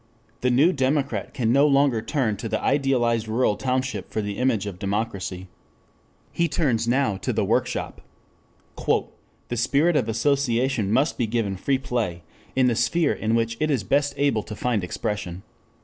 The new democrat can no longer turn to the idealized rural township for the image of democracy. He turns now to the workshop. "The spirit of association must be given free play in the sphere in which it is best able to find expression.